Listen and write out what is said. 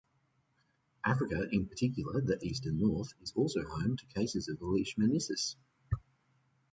Africa, in particular the East and North, is also home to cases of leishmaniasis.